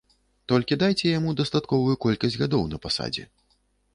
Толькі дайце яму дастатковую колькасць гадоў на пасадзе.